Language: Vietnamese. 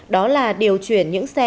đó là điều chuyển những xe